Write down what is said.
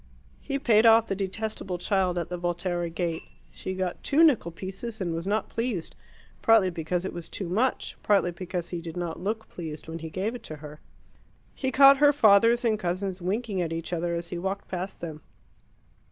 He paid off the detestable child at the Volterra gate. She got two nickel pieces and was not pleased, partly because it was too much, partly because he did not look pleased when he gave it to her. He caught her fathers and cousins winking at each other as he walked past them.